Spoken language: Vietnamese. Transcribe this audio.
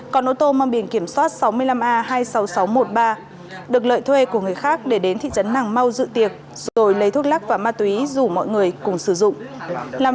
còn ô tô mang biển kiểm soát sáu mươi năm a hai mươi sáu nghìn sáu trăm một mươi ba được lợi thuê của người khác để đến thị trấn nàng mau dự tiệc rồi lấy thuốc lắc và ma túy rủ mọi người cùng sử dụng